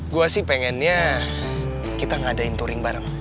gue sih pengennya kita ngadain touring bareng